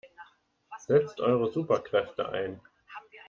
Setzt eure Superkräfte ein!